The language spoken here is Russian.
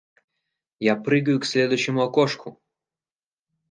Я прыгаю к следующему окошку.